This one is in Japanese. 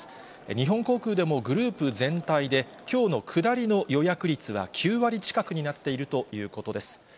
日本航空でも、グループ全体できょうの下りの予約率は９割近くになっているということです。